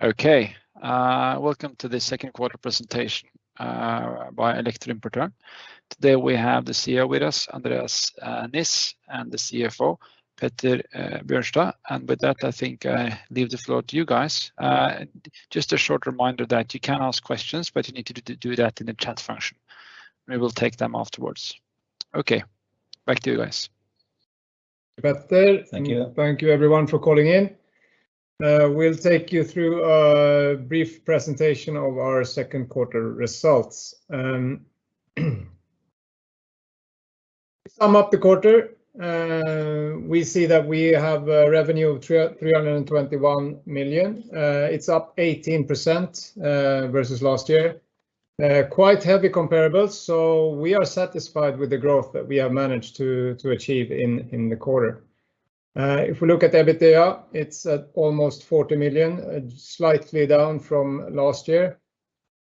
Okay. Welcome to the 2nd quarter presentation by Elektroimportøren. Today we have the CEO with us, Andreas Niss, and the CFO, Petter Bjørnstad. With that, I think I leave the floor to you guys. Just a short reminder that you can ask questions, but you need to do that in the chat function. We will take them afterwards. Okay, back to you guys. Petter. Thank you. Thank you everyone for calling in. We'll take you through a brief presentation of our second quarter results. To sum up the quarter, we see that we have a revenue of 321 million. It's up 18% versus last year. Quite heavy comparables, so we are satisfied with the growth that we have managed to achieve in the quarter. If we look at EBITDA, it's at almost 40 million, slightly down from last year.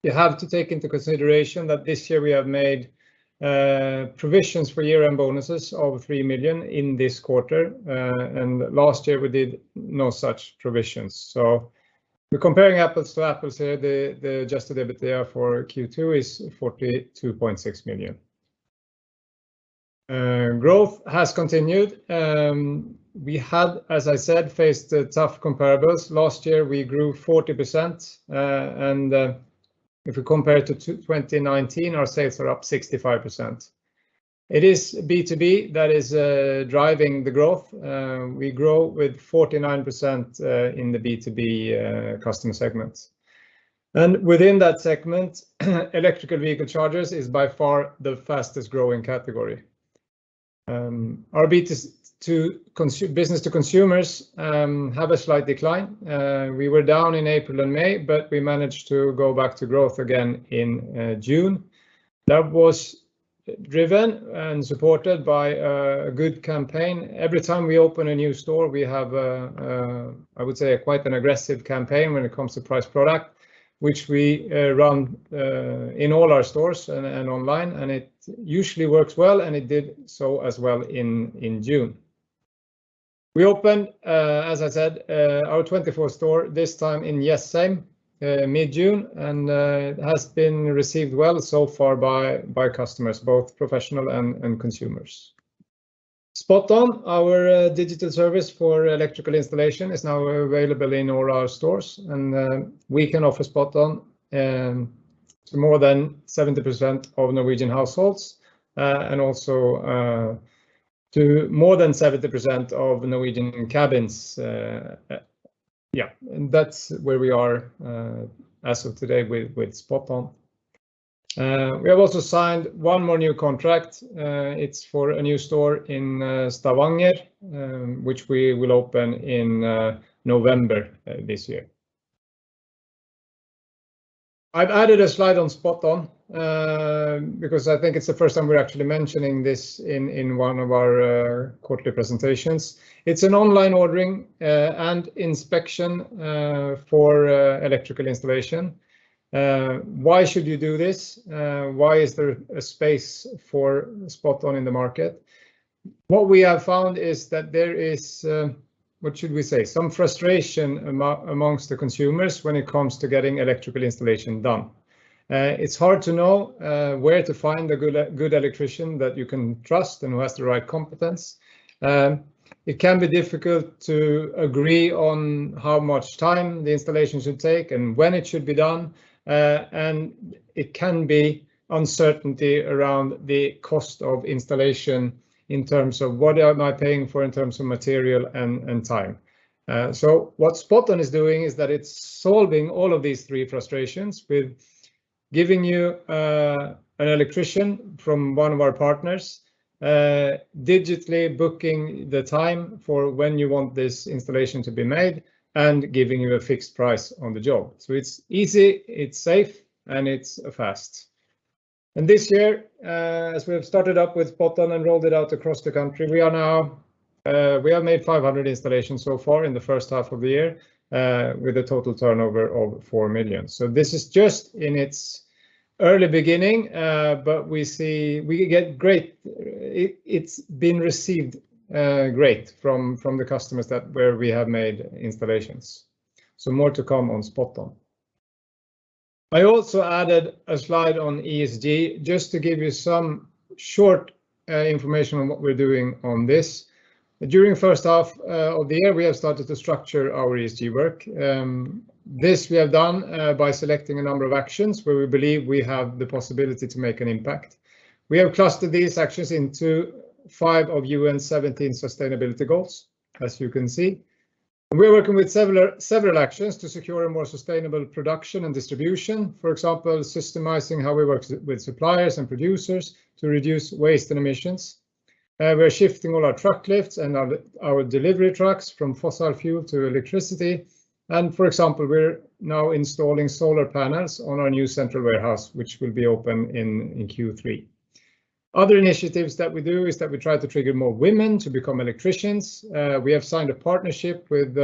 You have to take into consideration that this year we have made provisions for year-end bonuses of 3 million in this quarter, and last year we did no such provisions. We're comparing apples to apples here. The adjusted EBITDA for Q2 is 42.6 million. Growth has continued. We had, as I said, faced tough comparables. Last year we grew 40%, and if we compare to 2019, our sales are up 65%. It is B2B that is driving the growth. We grow with 49% in the B2B customer segments. Within that segment, electrical vehicle chargers is by far the fastest growing category. Our business to consumers have a slight decline. We were down in April and May, but we managed to go back to growth again in June. That was driven and supported by a good campaign. Every time we open a new store, we have, I would say, quite an aggressive campaign when it comes to price product, which we run in all our stores and online, and it usually works well, and it did so as well in June. We opened, as I said, our 24th store, this time in Jessheim, mid-June, and it has been received well so far by customers, both professional and consumers. SpotOn, our digital service for electrical installation, is now available in all our stores, and we can offer SpotOn to more than 70% of Norwegian households, and also to more than 70% of Norwegian cabins. Yeah, that's where we are as of today with SpotOn. We have also signed one more new contract. It's for a new store in Stavanger, which we will open in November this year. I've added a slide on SpotOn, because I think it's the first time we're actually mentioning this in one of our quarterly presentations. It's an online ordering and inspection for electrical installation. Why should you do this? Why is there a space for SpotOn in the market? What we have found is that there is, what should we say, some frustration amongst the consumers when it comes to getting electrical installation done. It's hard to know where to find a good electrician that you can trust and who has the right competence. It can be difficult to agree on how much time the installation should take and when it should be done. It can be uncertainty around the cost of installation in terms of what am I paying for in terms of material and time. What SpotOn is doing is that it's solving all of these three frustrations with giving you an electrician from one of our partners. Digitally booking the time for when you want this installation to be made, and giving you a fixed price on the job. It's easy, it's safe, and it's fast. This year, as we have started up with SpotOn and rolled it out across the country, we have made 500 installations so far in the first half of the year, with a total turnover of 4 million. This is just in its early beginning, but it has been received great from the customers where we have made installations. More to come on SpotOn. I also added a slide on ESG, just to give you some short information on what we are doing on this. During first half of the year, we have started to structure our ESG work. This we have done by selecting a number of actions where we believe we have the possibility to make an impact. We have clustered these actions into five of UN 17 sustainability goals, as you can see. We are working with several actions to secure a more sustainable production and distribution. For example, systemizing how we work with suppliers and producers to reduce waste and emissions. We're shifting all our truck lifts and our delivery trucks from fossil fuel to electricity. For example, we're now installing solar panels on our new central warehouse, which will be open in Q3. Other initiatives that we do is that we try to trigger more women to become electricians. We have signed a partnership with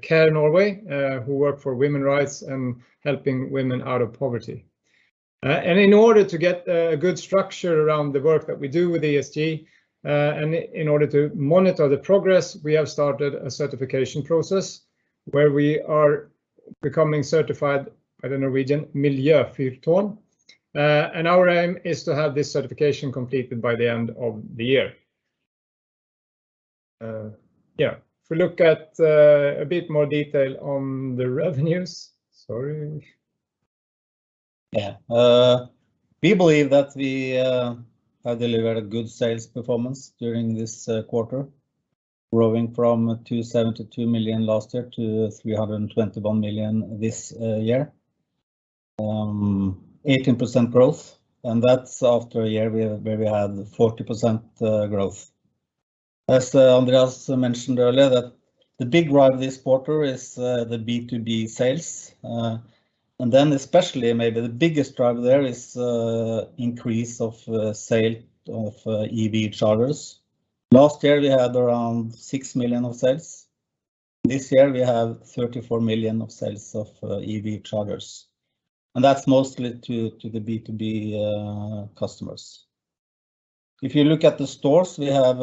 CARE Norway, who work for women rights and helping women out of poverty. In order to get a good structure around the work that we do with ESG, and in order to monitor the progress, we have started a certification process where we are becoming certified by the Norwegian Miljøfyrtårn. Our aim is to have this certification completed by the end of the year. If we look at a bit more detail on the revenues. Sorry. We believe that we have delivered good sales performance during this quarter, growing from 272 million last year to 321 million this year. 18% growth, and that's after a year where we had 40% growth. As Andreas mentioned earlier, the big driver of this quarter is the B2B sales. Especially maybe the biggest driver there is increase of sale of EV chargers. Last year, we had around 6 million of sales. This year, we have 34 million of sales of EV chargers, and that's mostly to the B2B customers. If you look at the stores, we have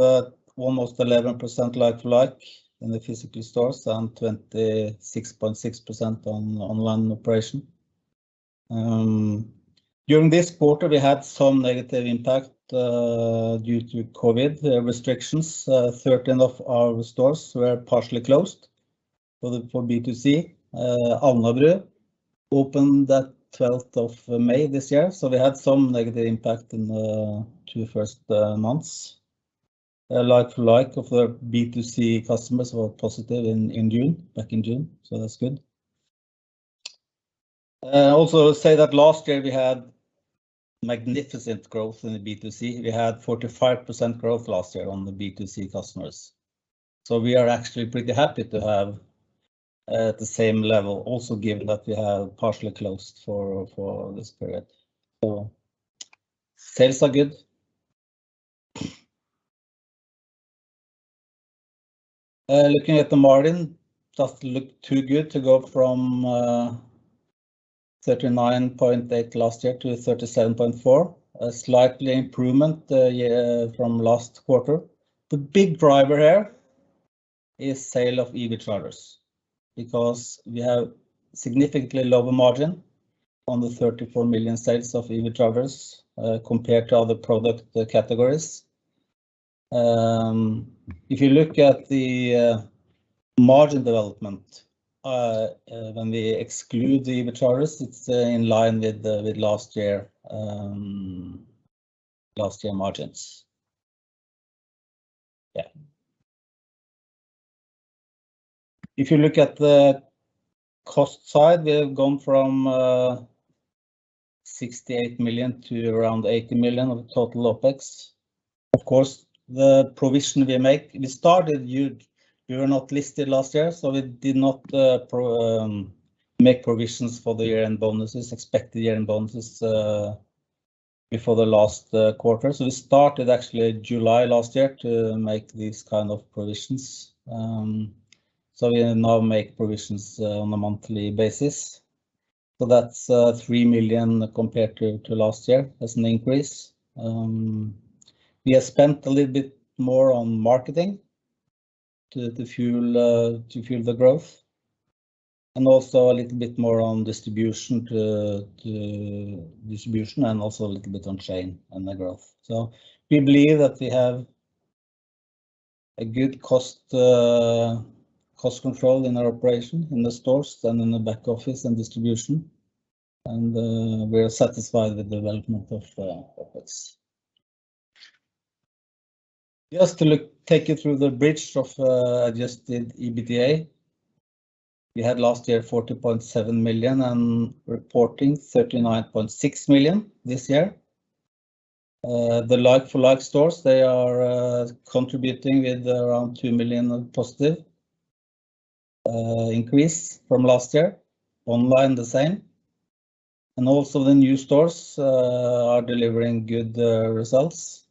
almost 11% like-for-like in the physical stores and 26.6% on online operation. During this quarter, we had some negative impact, due to COVID restrictions. 13 of our stores were partially closed for B2C. Alnabru opened the 12th of May this year. We had some negative impact in the two first months. Like-for-like of the B2C customers were positive back in June, so that's good. I'll also say that last year we had magnificent growth in the B2C. We had 45% growth last year on the B2C customers. We are actually pretty happy to have the same level also given that we have partially closed for this period. Sales are good. Looking at the margin, doesn't look too good to go from 39.8 last year to 37.4. A slight improvement from last quarter. The big driver here is sale of EV chargers, because we have significantly lower margin on the 34 million sales of EV chargers, compared to other product categories. If you look at the margin development, when we exclude the EV chargers, it's in line with last year margins. Yeah. If you look at the cost side, we have gone from 68 million to around 80 million of total OPEX. Of course, the provision we make. We were not listed last year, so we did not make provisions for the expected year-end bonuses before the last quarter. We started actually July last year to make these kind of provisions. We now make provisions on a monthly basis. That's 3 million compared to last year as an increase. We have spent a little bit more on marketing to fuel the growth, and also a little bit more on distribution, and also a little bit on chain and the growth. We believe that we have a good cost control in our operation in the stores and in the back office and distribution, and we are satisfied with the development of OPEX. Just to take you through the bridge of adjusted EBITDA. We had last year 40.7 million and reporting 39.6 million this year. The like-for-like stores, they are contributing with around 2 million of positive increase from last year. Online, the same. Also the new stores are delivering good results.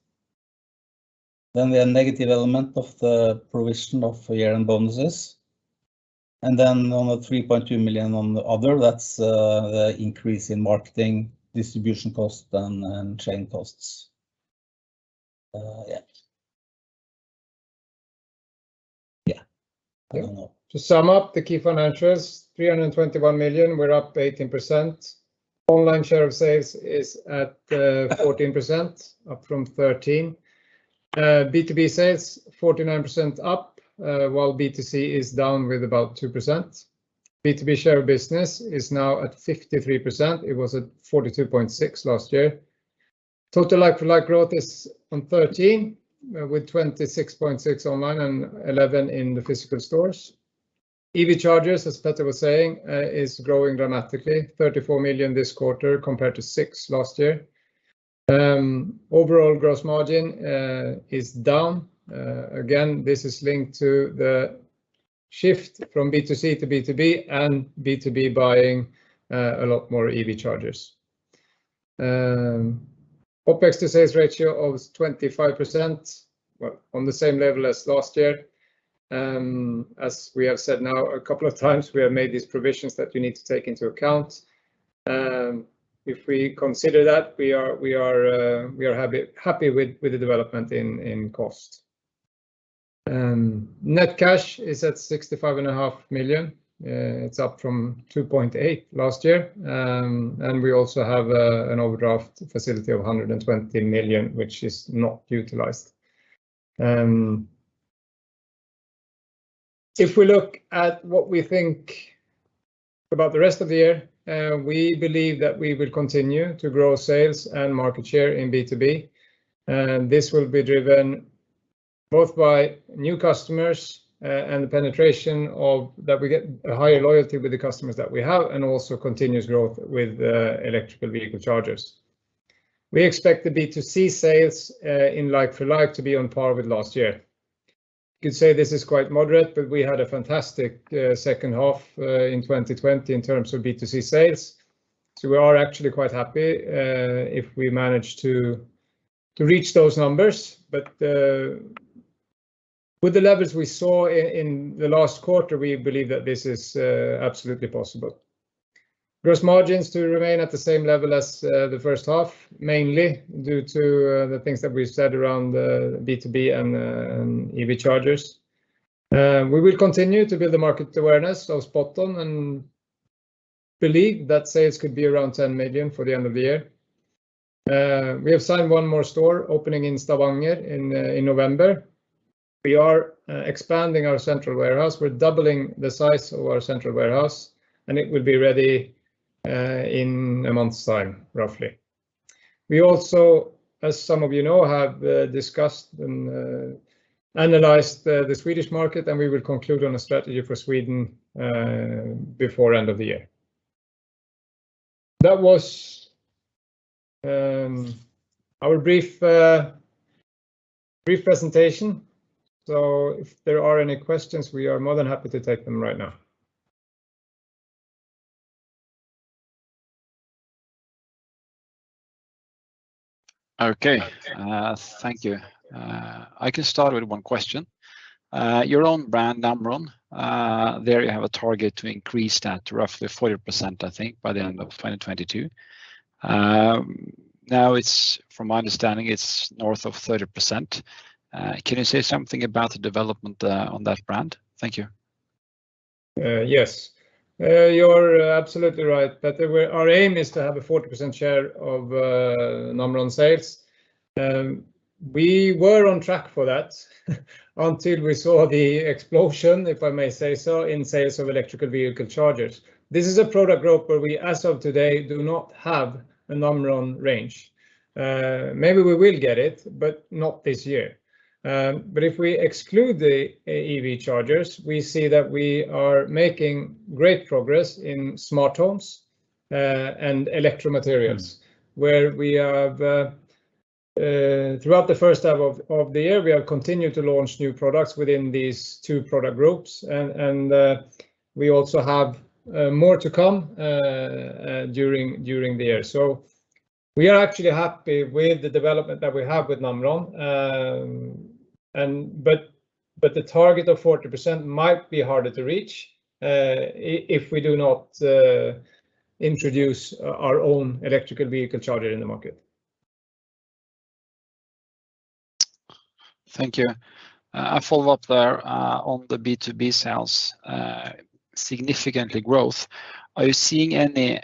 The negative element of the provision of year-end bonuses, and then on the 3.2 million on the other, that's the increase in marketing, distribution cost, and chain costs. Yeah. I don't know. To sum up the key financials, 321 million, we're up 18%. Online share of sales is at 14%, up from 13. B2B sales 49% up, while B2C is down with about 2%. B2B share of business is now at 53%. It was at 42.6 last year. Total like-for-like growth is on 13, with 26.6 online and 11 in the physical stores. EV chargers, as Petter was saying, is growing dramatically. 34 million this quarter compared to 6 last year. Overall gross margin is down. This is linked to the shift from B2C to B2B and B2B buying a lot more EV chargers. OPEX to sales ratio of 25%, on the same level as last year. As we have said now a couple of times, we have made these provisions that you need to take into account. If we consider that, we are happy with the development in cost. Net cash is at 65.5 million. It is up from 2.8 million last year. We also have an overdraft facility of 120 million, which is not utilized. If we look at what we think about the rest of the year, we believe that we will continue to grow sales and market share in B2B. This will be driven both by new customers and the penetration, that we get a higher loyalty with the customers that we have and also continuous growth with electrical vehicle chargers. We expect the B2C sales in like-for-like to be on par with last year. You could say this is quite moderate, but we had a fantastic second half in 2020 in terms of B2C sales. We are actually quite happy if we manage to reach those numbers. With the levels we saw in the last quarter, we believe that this is absolutely possible. Gross margins to remain at the same level as the first half, mainly due to the things that we've said around B2B and EV chargers. We will continue to build the market awareness of SpotOn and believe that sales could be around 10 million for the end of the year. We have signed one more store opening in Stavanger in November. We are expanding our central warehouse. We're doubling the size of our central warehouse, and it will be ready in a month's time, roughly. We also, as some of you know, have discussed and analyzed the Swedish market, and we will conclude on a strategy for Sweden before end of the year. That was our brief presentation. If there are any questions, we are more than happy to take them right now. Okay. Thank you. I can start with one question. Your own brand, Namron, there you have a target to increase that to roughly 40%, I think, by the end of 2022. Now from my understanding, it's north of 30%. Can you say something about the development on that brand? Thank you. Yes. You're absolutely right that our aim is to have a 40% share of Namron sales. We were on track for that until we saw the explosion, if I may say so, in sales of electrical vehicle chargers. This is a product group where we, as of today, do not have a Namron range. Maybe we will get it, but not this year. If we exclude the EV chargers, we see that we are making great progress in smart homes and electro materials where throughout the first half of the year, we have continued to launch new products within these two product groups, and we also have more to come during the year. We are actually happy with the development that we have with Namron, but the target of 40% might be harder to reach if we do not introduce our own electrical vehicle charger in the market. Thank you. A follow-up there on the B2B sales significantly growth. Are you seeing any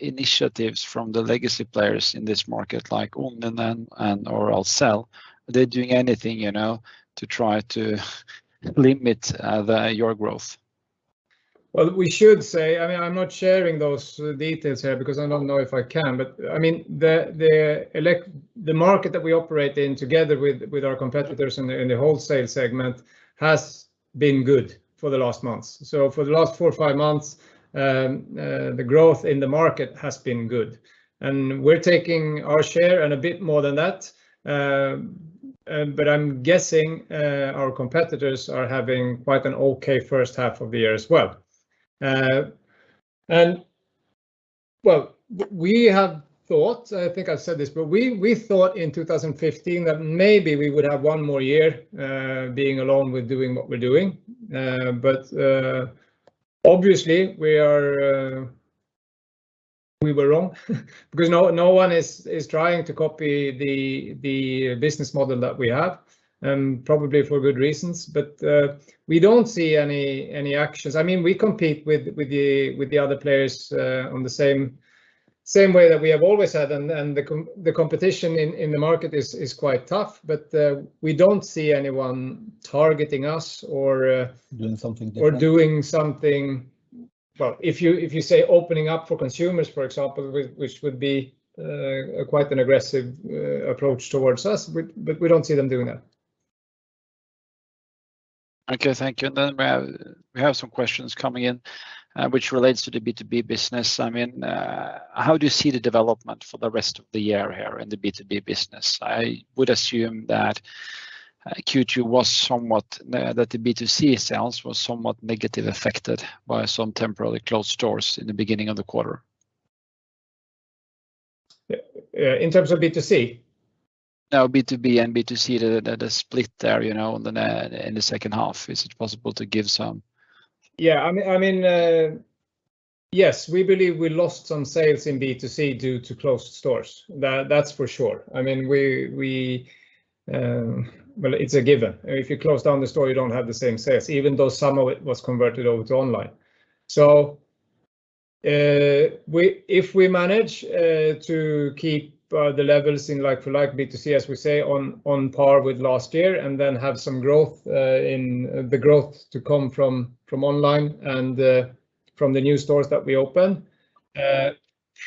initiatives from the legacy players in this market like Ahlsell and/or ELKO? Are they doing anything to try to limit your growth? We should say, I'm not sharing those details here because I don't know if I can, but the market that we operate in together with our competitors in the wholesale segment has been good for the last months. For the last four or five months, the growth in the market has been good. We're taking our share and a bit more than that, but I'm guessing our competitors are having quite an okay first half of the year as well. Well, we have thought, I think I've said this, but we thought in 2015 that maybe we would have one more year being alone with doing what we're doing. Obviously we were wrong because no one is trying to copy the business model that we have, and probably for good reasons. We don't see any actions. We compete with the other players on the same way that we have always had. The competition in the market is quite tough. We don't see anyone targeting us. Doing something different. Doing something. Well, if you say opening up for consumers, for example, which would be quite an aggressive approach towards us, but we don't see them doing that. Okay. Thank you. Then we have some questions coming in which relates to the B2B business. How do you see the development for the rest of the year here in the B2B business? I would assume that Q2 that the B2C sales was somewhat negative affected by some temporarily closed stores in the beginning of the quarter. In terms of B2C? No, B2B and B2C, the split there in the second half, is it possible to give some? We believe we lost some sales in B2C due to closed stores. That's for sure. It's a given. If you close down the store, you don't have the same sales, even though some of it was converted over to online. If we manage to keep the levels in like-for-like B2C, as we say, on par with last year and then have some growth to come from online and from the new stores that we open,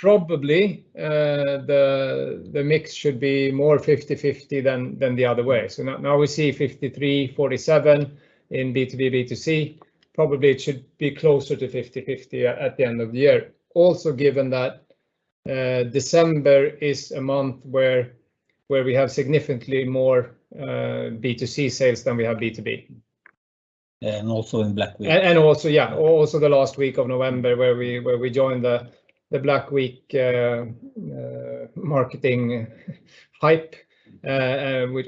probably the mix should be more 50/50 than the other way. Now we see 53/47 in B2B, B2C. Probably it should be closer to 50/50 at the end of the year. Also given that December is a month where we have significantly more B2C sales than we have B2B. Also in Black Week. Also, yeah, also the last week of November where we joined the Black Week marketing hype,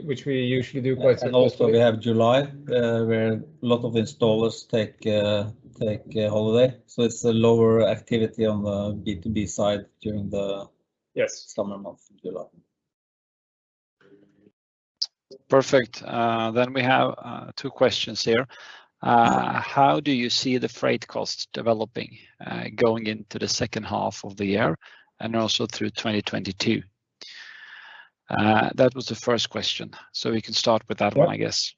which we usually do quite successfully. Also we have July, where a lot of installers take a holiday. It's a lower activity on the B2B side, summer month of July. We have two questions here. How do you see the freight costs developing, going into the second half of the year and also through 2022? That was the first question. We can start with that one, I guess.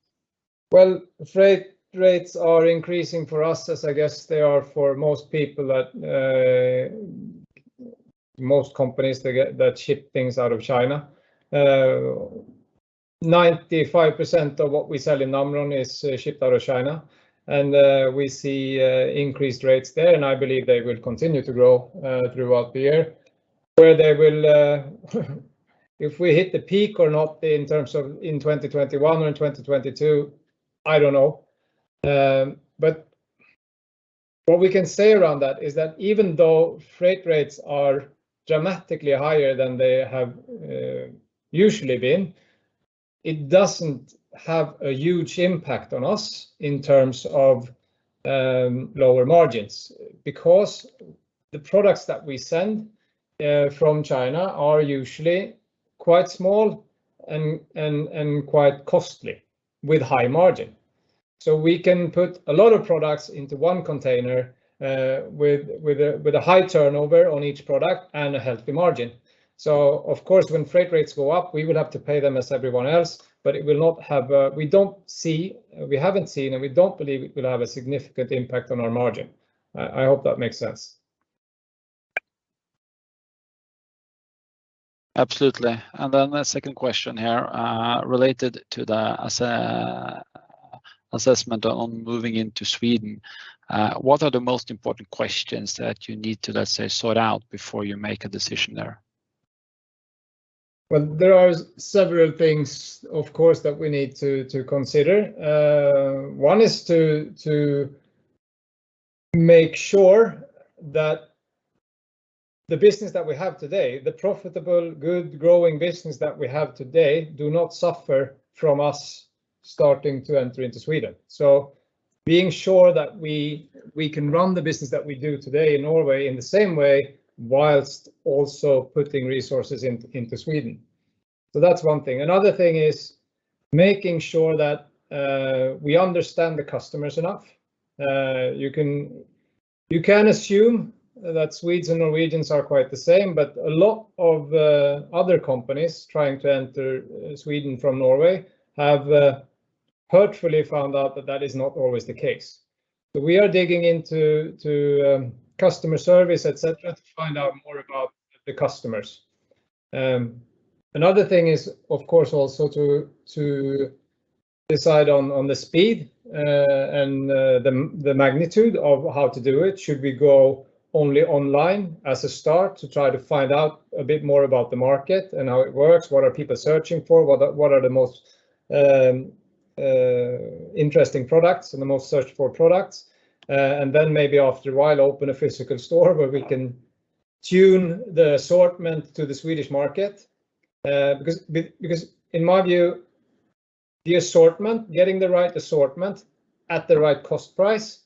Well, freight rates are increasing for us, as I guess they are for most companies that ship things out of China. 95% of what we sell in Namron is shipped out of China, and we see increased rates there and I believe they will continue to grow throughout the year. If we hit the peak or not in terms of in 2021 or in 2022, I don't know. What we can say around that is that even though freight rates are dramatically higher than they have usually been, it doesn't have a huge impact on us in terms of lower margins. The products that we send from China are usually quite small and quite costly with high margin. We can put a lot of products into one container with a high turnover on each product and a healthy margin. Of course, when freight rates go up, we will have to pay them as everyone else, but we haven't seen and we don't believe it will have a significant impact on our margin. I hope that makes sense. Absolutely. The second question here, related to the assessment on moving into Sweden. What are the most important questions that you need to, let's say, sort out before you make a decision there? Well, there are several things, of course, that we need to consider. One is to make sure that the business that we have today, the profitable, good, growing business that we have today, do not suffer from us starting to enter into Sweden. Being sure that we can run the business that we do today in Norway in the same way, whilst also putting resources into Sweden. That's one thing. Another thing is making sure that we understand the customers enough. You can assume that Swedes and Norwegians are quite the same, but a lot of other companies trying to enter Sweden from Norway have hurtfully found out that that is not always the case. We are digging into customer service, et cetera, to find out more about the customers. Another thing is, of course, also to decide on the speed and the magnitude of how to do it. Should we go only online as a start to try to find out a bit more about the market and how it works, what are people searching for, what are the most interesting products and the most searched-for products? Then maybe after a while, open a physical store where we can tune the assortment to the Swedish market. In my view, getting the right assortment at the right cost price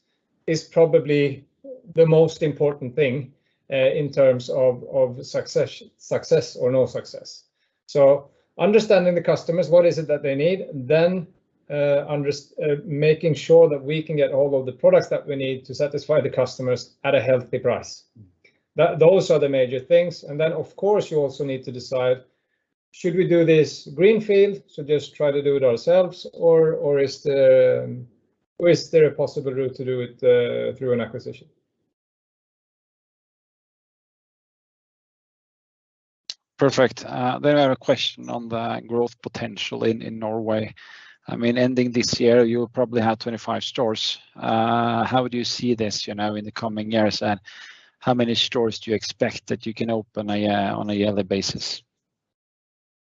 is probably the most important thing, in terms of success or no success. Understanding the customers, what is it that they need, then making sure that we can get hold of the products that we need to satisfy the customers at a healthy price. Those are the major things. Of course, you also need to decide, should we do this greenfield, so just try to do it ourselves, or is there a possible route to do it through an acquisition? Perfect. I have a question on the growth potential in Norway. Ending this year, you'll probably have 25 stores. How do you see this in the coming years, and how many stores do you expect that you can open on a yearly basis?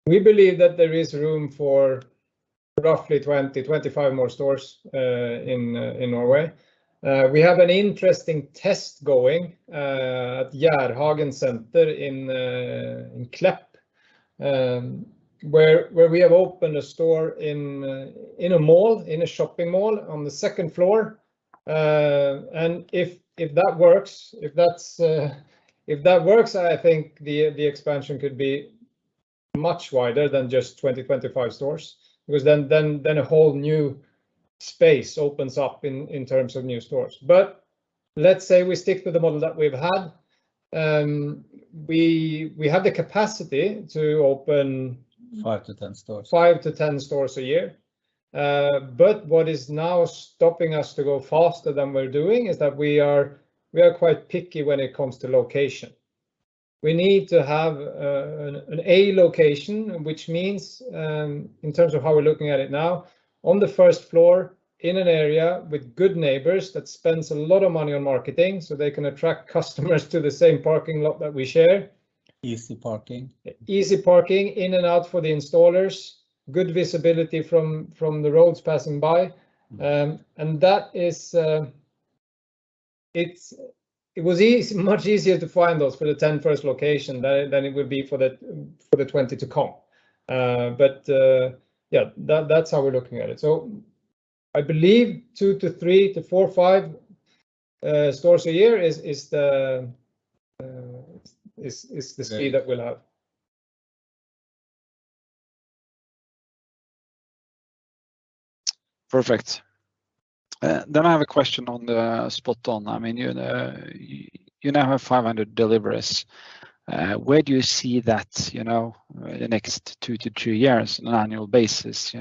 We believe that there is room for roughly 20, 25 more stores in Norway. We have an interesting test going at Jærhagen Center in Klepp, where we have opened a store in a shopping mall on the second floor. If that works, I think the expansion could be much wider than just 20, 25 stores, because then a whole new space opens up in terms of new stores. Let's say we stick to the model that we've had. We have the capacity to open. Five stores-10 stores. Five stores-10 stores a year. What is now stopping us to go faster than we're doing is that we're quite picky when it comes to location. We need to have an A location, which means, in terms of how we're looking at it now, on the first floor, in an area with good neighbors that spends a lot of money on marketing, so they can attract customers to the same parking lot that we share. Easy parking. Easy parking, in and out for the installers, good visibility from the roads passing by. It was much easier to find those for the 10 first location than it would be for the 20 to come. Yeah, that's how we're looking at it. I believe two to three to four, five stores a year is the speed that we'll have. Perfect. I have a question on the SpotOn. You now have 500 deliveries. Where do you see that the next two to three years on an annual basis?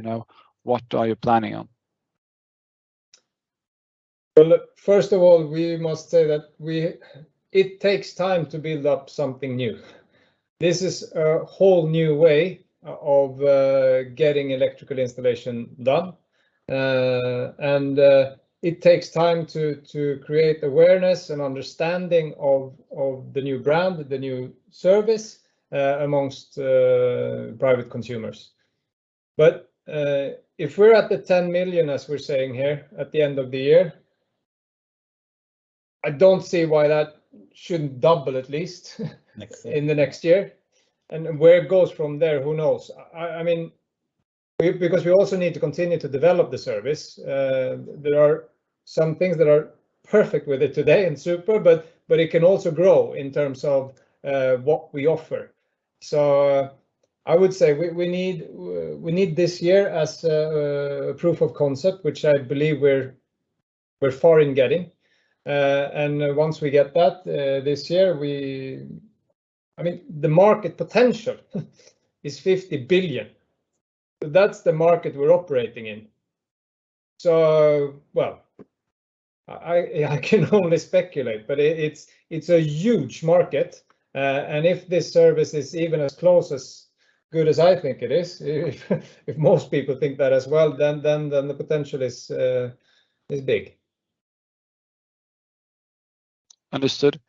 What are you planning on? Look, first of all, we must say that it takes time to build up something new. This is a whole new way of getting electrical installation done. It takes time to create awareness and understanding of the new brand, the new service amongst private consumers. If we're at the 10 million, as we're saying here, at the end of the year, I don't see why that shouldn't double, at least in the next year. Where it goes from there, who knows. We also need to continue to develop the service. There are some things that are perfect with it today and super, but it can also grow in terms of what we offer. I would say we need this year as a proof of concept, which I believe we're far in getting. Once we get that this year, the market potential is 50 billion. That's the market we're operating in. Well, I can only speculate, but it's a huge market. If this service is even as close as good as I think it is, if most people think that as well, then the potential is big. Understood.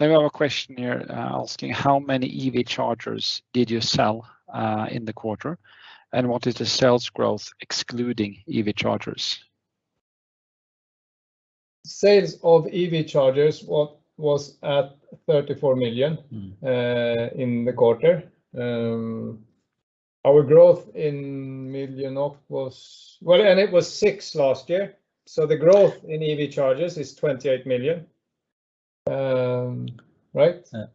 I have a question here asking how many EV chargers did you sell in the quarter, and what is the sales growth excluding EV chargers? Sales of EV chargers was at 34 million in the quarter. Our growth in million was Well, and it was 6 million last year. The growth in EV chargers is 28 million. Right? Yeah.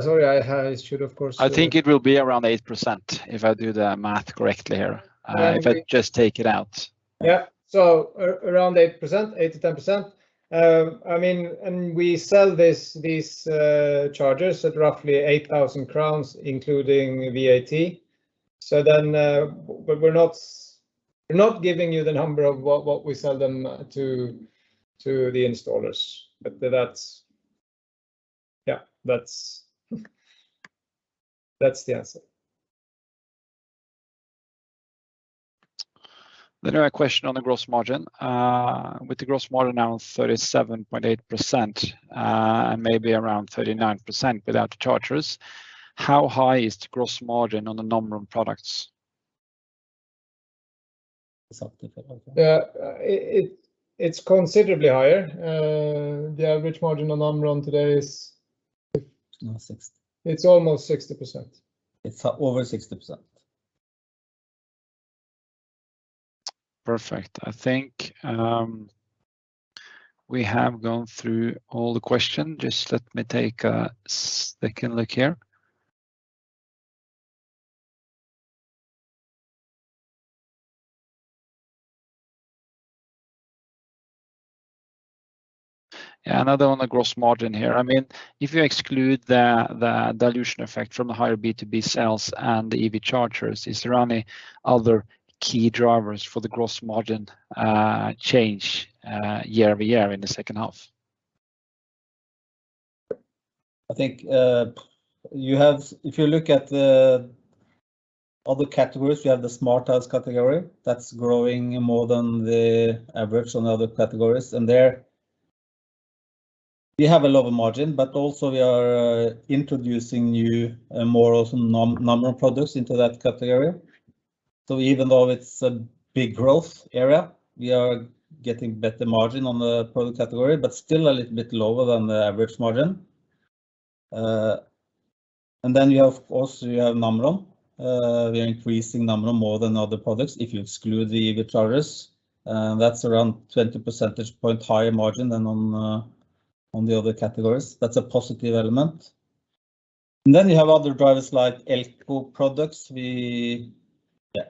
Sorry, I should, of course. I think it will be around 8%, if I do the math correctly here. If I just take it out. Yeah. Around 8%, 8%-10%. We sell these chargers at roughly 8,000 crowns, including VAT. We're not giving you the number of what we sell them to the installers. That's the answer. I have a question on the gross margin. With the gross margin now on 37.8%, and maybe around 39% without the chargers, how high is the gross margin on the Namron products? It's up to 40. Yeah. It's considerably higher. The average margin on Namron today is. Almost 60%. It's almost 60%. It's over 60%. Perfect. I think we have gone through all the question. Just let me take a second look here. Yeah, another one on gross margin here. If you exclude the dilution effect from the higher B2B sales and the EV chargers, is there any other key drivers for the gross margin change year-over-year in the second half? I think if you look at the other categories, we have the smart home category that's growing more than the average on other categories. We have a lower margin, but also we are introducing new models and Namron products into that category. Even though it's a big growth area, we are getting better margin on the product category, but still a little bit lower than the average margin. We have also Namron. We are increasing Namron more than other products. If you exclude the EV chargers, that's around 20 percentage points higher margin than on the other categories. That's a positive element. You have other drivers like ELKO products. We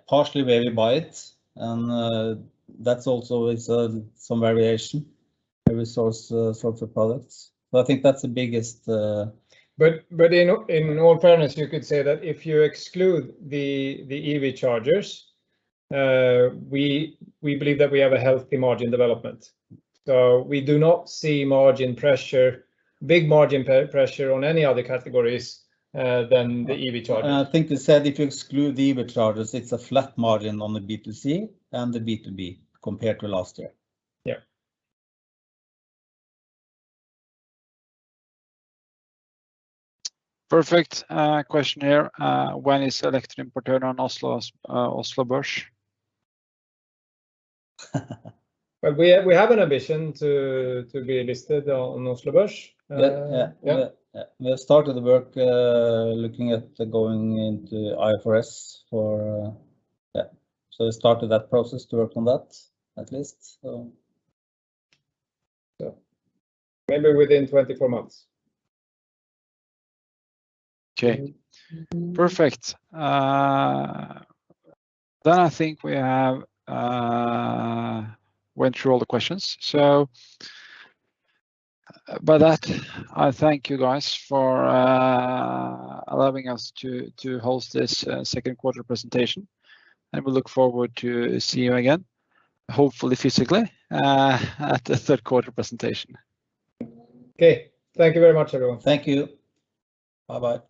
partially buy it, and that's also is some variation, various sorts of products. I think that's the biggest. In all fairness, you could say that if you exclude the EV chargers, we believe that we have a healthy margin development. We do not see big margin pressure on any other categories than the EV chargers. I think they said if you exclude the EV chargers, it's a flat margin on the B2C and the B2B compared to last year. Perfect. Question here. When is Elektroimportøren on Oslo Børs? We have an ambition to be listed on Oslo Børs. Yeah. We have started work looking at going into IFRS for Yeah, we started that process to work on that at least. Maybe within 24 months. Okay, perfect. I think we have went through all the questions. By that, I thank you guys for allowing us to host this second quarter presentation. We look forward to see you again, hopefully physically, at the third quarter presentation. Okay. Thank you very much, everyone. Thank you. Bye.